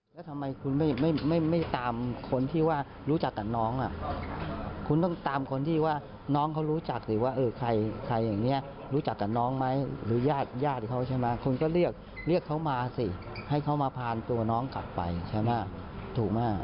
แล้วทำไมคุณไม่ตามคนที่ว่ารู้จักกับน้องคุณต้องตามคนที่ว่าน้องเขารู้จักสิว่าเออใครอย่างนี้รู้จักกับน้องไหมหรือญาติญาติเขาใช่ไหมคุณก็เรียกเขามาสิให้เขามาพาตัวน้องกลับไปใช่ไหมถูกมาก